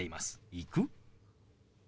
「行く？」。